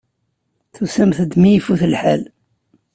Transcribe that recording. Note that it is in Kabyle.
Tusamt-d mi ifut lḥal.